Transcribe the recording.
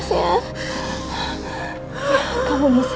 iya atur nafasnya